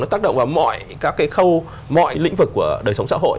nó tác động vào mọi các cái khâu mọi lĩnh vực của đời sống xã hội